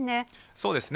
そうですね。